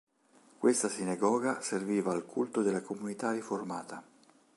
Questa sinagoga serviva al culto della comunità riformata.